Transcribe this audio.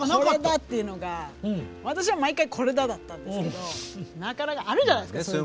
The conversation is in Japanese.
「これだ」っていうのが私は毎回「これだ」だったんですけどなかなかあるじゃないですか。